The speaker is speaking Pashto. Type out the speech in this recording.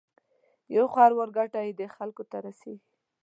یو خروار ګټه یې دې خلکو ته رسېږي.